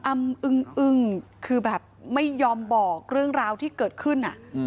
อึ้งคือแบบไม่ยอมบอกเรื่องราวที่เกิดขึ้น